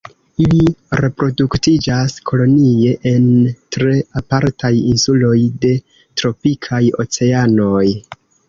Ili reproduktiĝas kolonie en tre apartaj insuloj de tropikaj oceanoj.